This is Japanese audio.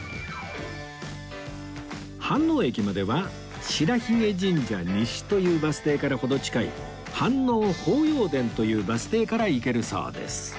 飯能駅までは白鬚神社西というバス停から程近い飯能法要殿というバス停から行けるそうです